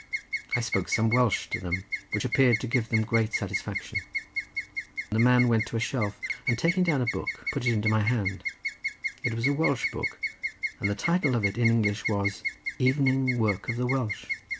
I spoke some Welsh to them which appeared to give them great satisfaction. The man went to a shelf and taking down a book put it into my hand. It was a Welsh book, and the title of it in English was Evening Work of the Welsh.